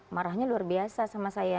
marahnya luar biasa sama saya